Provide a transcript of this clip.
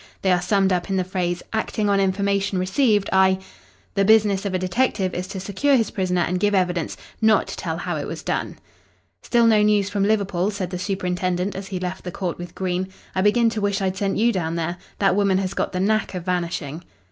They are summed up in the phrase "Acting on information received, I " The business of a detective is to secure his prisoner and give evidence, not to tell how it was done. "Still no news from Liverpool," said the superintendent as he left the court with Green. "I begin to wish I'd sent you down there. That woman has got the knack of vanishing."